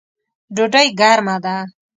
ډوډۍ ګرمه ده